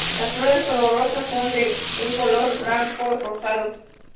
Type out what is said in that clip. Las flores, olorosas, son de un color blanco-rosado.